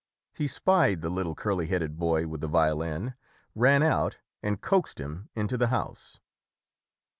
He spied the little curly headed boy with the violin, ran out and coaxed him into the house.